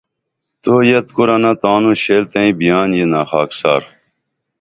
تو یت کُرنہ تانوں شیل تئیں بیان ینا خاکسار